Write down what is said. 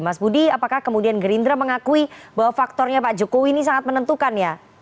mas budi apakah kemudian gerindra mengakui bahwa faktornya pak jokowi ini sangat menentukan ya